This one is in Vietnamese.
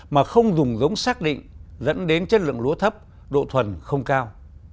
mà không dùng giống xác định dẫn đến chất lượng lúa thấp độ thuần không cao